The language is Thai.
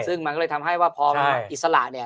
ซึ่งมันก็เลยทำให้ว่าพออิสระเนี่ย